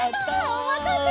おまたせ！